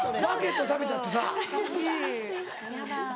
「バゲット食べちゃってさ」。